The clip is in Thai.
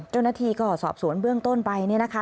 เจ้าหน้าที่ก็สอบสวนเบื้องต้นไปเนี่ยนะคะ